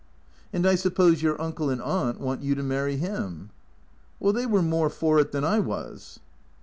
" And I suppose your uncle and aunt want you to marry him ?"" They were more for it than I was."